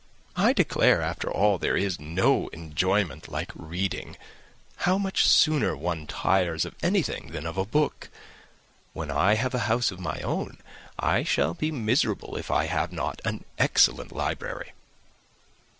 I declare, after all, there is no enjoyment like reading! How much sooner one tires of anything than of a book! When I have a house of my own, I shall be miserable if I have not an excellent library."